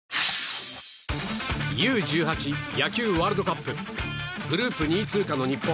Ｕ‐１８野球ワールドカップグループ２位通過の日本。